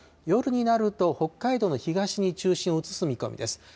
夜になると北海道の東に中心を移す見込みです。